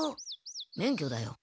免許だよ。